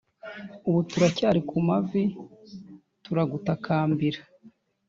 Ubu turacyari ku mavi turagutakambira